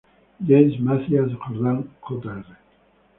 James Matthias Jordan Jr.